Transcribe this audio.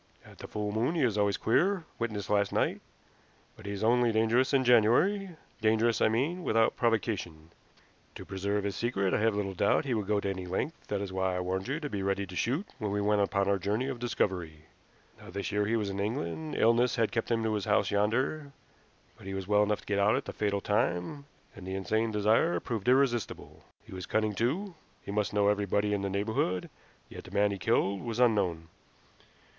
At the full moon he is always queer witness last night; but he is only dangerous in January dangerous, I mean, without provocation. To preserve his secret, I have little doubt he would go to any length; that is why I warned you to be ready to shoot when we went upon our journey of discovery. Now this year he was in England; illness had kept him to his house yonder, but he was well enough to get out at the fatal time, and the insane desire proved irresistible. He was cunning too. He must know everybody in the neighborhood, yet the man he killed was unknown.